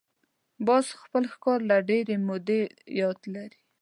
باز خپل ښکار له ډېرې مودې یاد لري